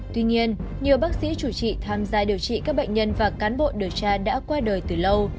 tuy nhiên nhiều bác sĩ chủ trị tham gia điều trị các bệnh nhân và cán bộ điều tra đã qua đời từ lâu